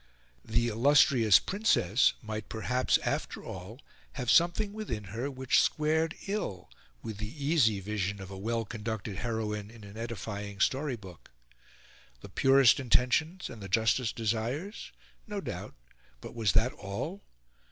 The "illustrious Princess" might perhaps, after all, have something within her which squared ill with the easy vision of a well conducted heroine in an edifying story book. The purest intentions and the justest desires? No doubt; but was that all?